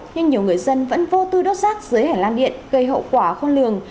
nhưng nhiều người dân vẫn vô tư đốt rác dưới hẻ lan điện gây hậu quả khôn lường